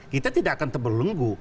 kita tidak akan terbelunggu